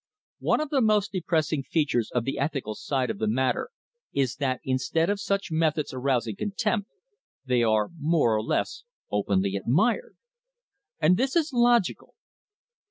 One of the most depressing features of the ethical side of the matter is that instead of such methods arousing contempt they are more or less openly admired. And this is logical.